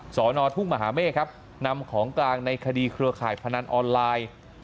สอนอทุ่งมหาเมฆครับนำของกลางในคดีเครือข่ายพนันออนไลน์